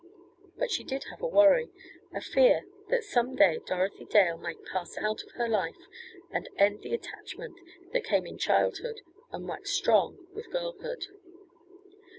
But she did have a worry, a fear that some day Dorothy Dale might pass out of her life and end the attachment that came in childhood and waxed strong with girlhood.